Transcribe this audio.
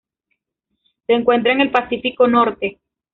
Se encuentra en el Pacífico norte.